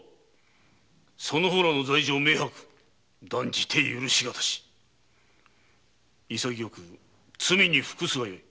その方らの罪状明白断じて許し難し潔く罪に服すがよい。